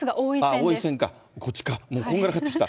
王位戦か、こっちか、もうこんがらがってきた。